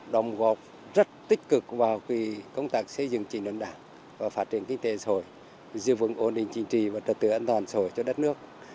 đồng góp rất tích cực vào công tác xây dựng trị nội đảng và phát triển kinh tế xã hội giữ vững ổn định chính trị và trật tựa an toàn xã hội cho đất nước